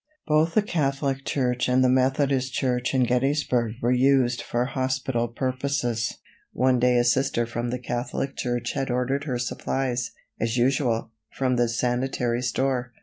Both the Catholic church and the Methodist church in Gettysburg were used for hospital purposes. One day a Sister from the Catholic church had ordered her supplies, as usual, from the sanitary store.